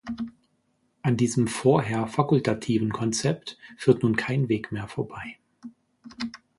An diesem vorher fakultativen Konzept führt nun kein Weg mehr vorbei.